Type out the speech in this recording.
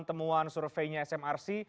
temuan surveinya smrc